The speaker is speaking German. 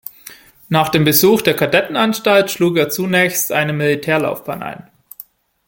Nach dem Besuch der Kadettenanstalt schlug er zunächst eine Militärlaufbahn ein.